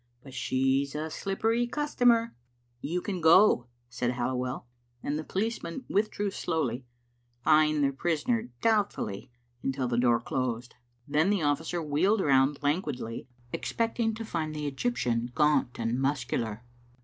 " But she's a slippery customer." "You can go," said Halliwell; and the policemen withdrew slowly, eyeing their prisoner doubtfully until the door closed. Then the officer wheeled round lan guidly, expecting to find the Egyptian gaunt and muscular.